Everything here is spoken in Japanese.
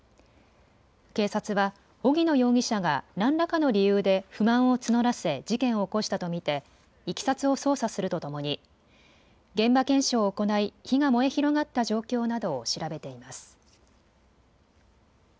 警察は荻野容疑者が何らかの理由で不満を募らせ事件を起こしたと見ていきさつを捜査するとともに現場検証を行い火が燃え広がった状況などを調べています。